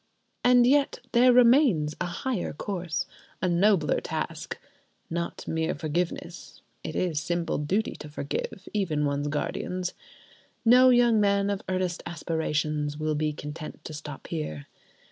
And yet there remains a higher course, a nobler task. Not mere forgiveness: it is simple duty to forgive—even one's guardians. No young man of earnest aspirations will be content to stop there.